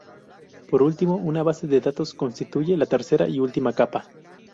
Por último, una base de datos constituye la tercera y última capa.